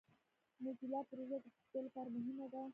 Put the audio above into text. موزیلا پروژه د پښتو لپاره مهمه ده.